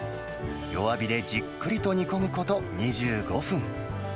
弱火でじっくりと煮込むこと２５分。